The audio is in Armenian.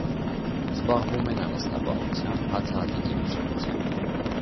Զբաղվում են անասնապահությամբ, հացահատիկի մշակությամբ։